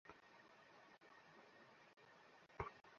এটা নবীর পক্ষ থেকে তাঁর সম্প্রদায়ের প্রতি চ্যালেঞ্জস্বরূপ।